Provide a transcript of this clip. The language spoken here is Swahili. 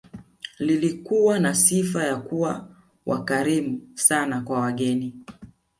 Lilikuwa na sifa ya kuwa wakarimu sana kwa wageni